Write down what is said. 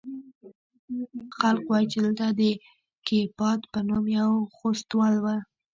خلق وايي چې دلته د کيپات په نوم يو خوستوال و.